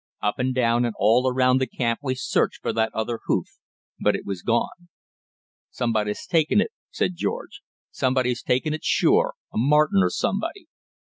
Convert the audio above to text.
Up and down and all around the camp we searched for that other hoof; but it was gone. "Somebody's taken it," said George. "Somebody's taken it, sure a marten or somebody."